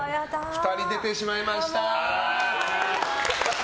２人出てしまいました。